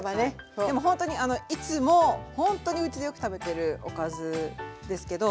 でもほんとにいつもほんとにうちでよく食べてるおかずですけど。